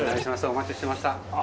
お待ちしてました